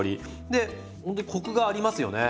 でほんとにコクがありますよね。